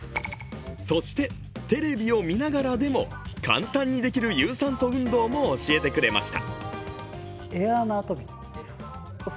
そしてテレビを見ながらでも簡単にできる有酸素運動も教えてくれました。